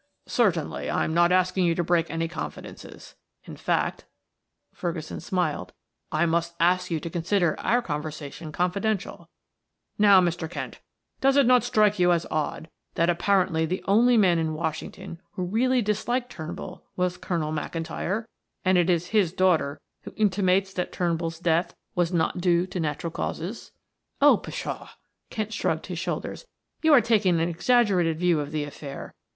"Certainly. I am not asking you to break any confidences; in fact," Ferguson smiled, "I must ask you to consider our conversation confidential. Now, Mr. Kent, does it not strike you as odd that apparently the only man in Washington who really disliked Turnbull was Colonel McIntyre, and it is his daughter who intimates that Turnbull's death was not due to natural causes?" "Oh, pshaw!" Kent shrugged his shoulders. "You are taking an exaggerated view of the affair.